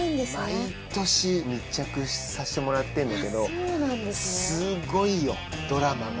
毎年密着させてもらってるんだけどすごいよドラマが。